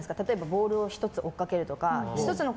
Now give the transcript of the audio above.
ボールを追っかけるとか。